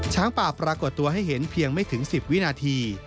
ช้างป่าปรากฏตัวให้เห็นเพียงไม่ถึง๑๐วินาที